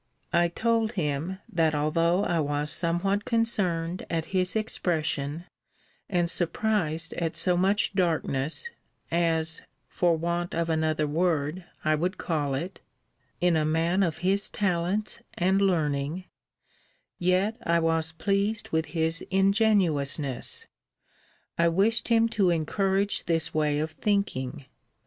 I told him, that, although I was somewhat concerned at his expression, and surprised at so much darkness, as (for want of another word) I would call it, in a man of his talents and learning, yet I was pleased with his ingenuousness. I wished him to encourage this way of thinking.